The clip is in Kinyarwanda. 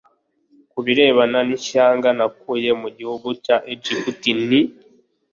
ku birebana n ishyanga nakuye mu gihugu cya Egiputa n nti